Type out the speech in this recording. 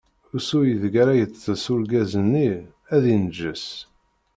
Usu ideg ara yeṭṭeṣ urgaz-nni ad inǧes.